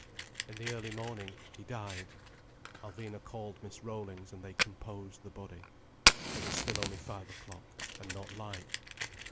In the early morning he died. Alvina called Mrs. Rollings, and they composed the body. It was still only five o'clock, and not light.